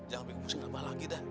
jangan bikin musik lemah lagi dah